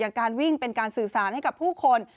การวิ่งเป็นการสื่อสารให้กับผู้คน